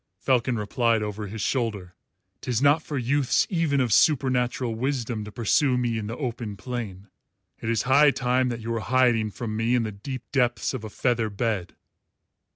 Falcon replied over his shoulder, "'Tis not for youths even of supernatural wisdom to pursue me in the open plain. It is high time that you were hiding from me in the deep depths of a feather bed."